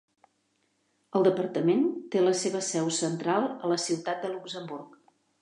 El Departament té la seva seu central a la ciutat de Luxemburg.